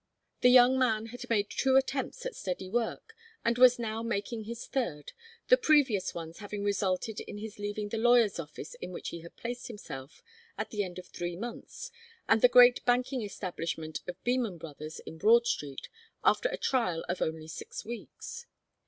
The young man had made two attempts at steady work and was now making his third, the previous ones having resulted in his leaving the lawyer's office in which he had placed himself, at the end of three months, and the great banking establishment of Beman Brothers, in Broad Street, after a trial of only six weeks.